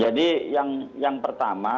jadi yang pertama